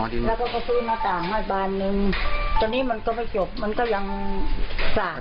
ดินแล้วก็ทูลหน้ากางให้บ้านนึงตอนนี้มันก็ไม่หยบมันก็ยังสาก